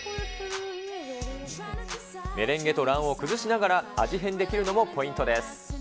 メレンゲと卵黄を崩しながら味変できるのもポイントです。